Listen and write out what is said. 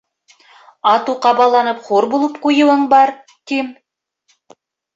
Ату ҡабаланып хур булып ҡуйыуың бар, тим.